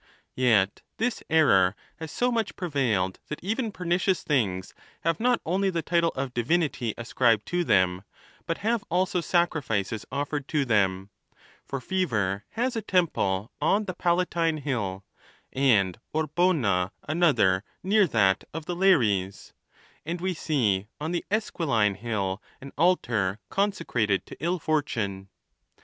XXV. Yet this error has so much prevailed that even pernicious things have not only the title of divinity ascribed to them, but have also sacrifices offered to them ; for Fe ver has a temple on the Palatine hill, and Orbona anoth er near that of the Lares, and we see on the Esquiline hill an altar consecrated to Ill fortune.